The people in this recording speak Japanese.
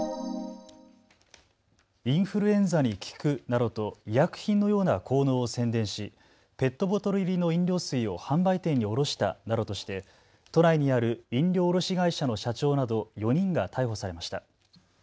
インフルエンザに効くなどと医薬品のような効能を宣伝しペットボトル入りの飲料水を販売店に卸したなどとして都内にある飲料卸会社の社長など４人が逮捕されました。